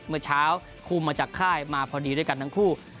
เมื่อเช้าคุมมาจากค่ายมาพอดีด้วยกันทั้งคู่